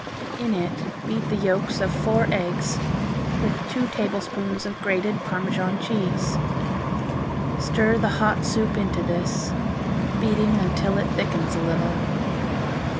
In it beat the yolks of four eggs with two tablespoons of grated Parmesan cheese. Stir the hot soup into this, beating until it thickens a little.